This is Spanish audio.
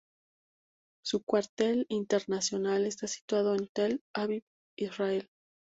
Su cuartel internacional está situado en Tel Aviv, Israel.